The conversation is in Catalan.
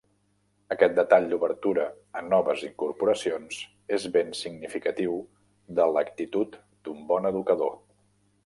Aquest detall d'obertura a noves incorporacions és ben significatiu de l'actitud d'un bon educador.